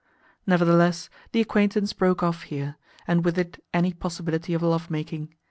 Nevertheless, the acquaintance broke off here, and with it any possibility of love making.